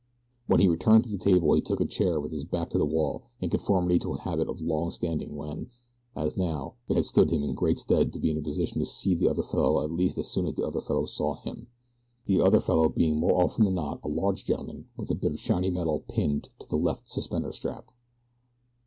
When he returned to the table he took a chair with his back to the wall in conformity to a habit of long standing when, as now, it had stood him in good stead to be in a position to see the other fellow at least as soon as the other fellow saw him. The other fellow being more often than not a large gentleman with a bit of shiny metal pinned to his left suspender strap.